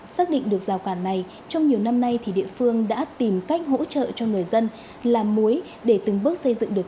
xác định được rào cản này trong nhiều năm nay thì địa phương đã tìm cách hỗ trợ cho người dân làm muối để từng bước xây dựng được